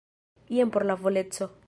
Jen por la voleco.